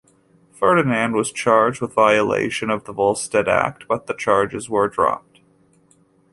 Ferdinand was charged with violation of the Volstead act, but the charges were dropped.